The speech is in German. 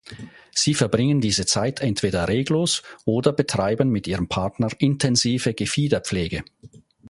Sie verbringen diese Zeit entweder reglos oder betreiben mit ihrem Partner intensive Gefiederpflege.